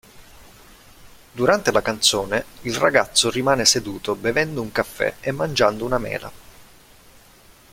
Durante la canzone il ragazzo rimane seduto bevendo un caffè e mangiando una mela.